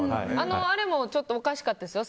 あれも、ちょっとおかしかったですよ。